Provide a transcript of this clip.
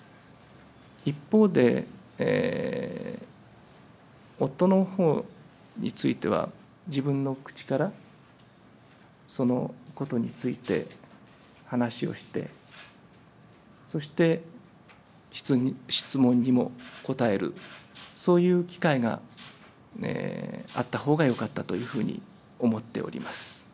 一方で、夫のほうについては、自分の口から、そのことについて話をして、そして質問にも答える、そういう機会があったほうがよかったというふうに思っております。